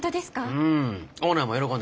うん。